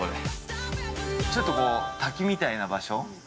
ちょっとこう、滝みたいな場所？